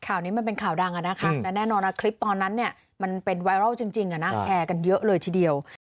ข่าวนี้มันเป็นข่าวดังนะครับและแน่นอนคลิปตอนนั้นมันเป็นไวรัลจริงนะแชร์กันเยอะเลยทีเดียว